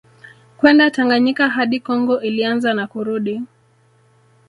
kwenda Tanganyika hadi Kongo ilianza na kurudi